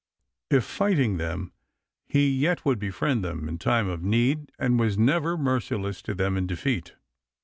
If fighting them, he yet would befriend them in time of need and was never merciless to them in defeat.